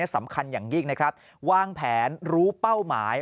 สำคัญอย่างยิ่งนะครับวางแผนรู้เป้าหมาย